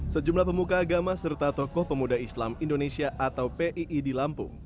sejumlah pemuka agama serta tokoh pemuda islam indonesia atau pii di lampung